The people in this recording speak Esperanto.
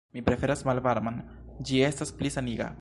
Mi preferas malvarman; ĝi estas pli saniga.